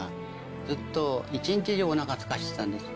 ずっと一日中、おなかすかせてたんです。